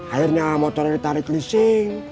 akhirnya motornya ditarik lising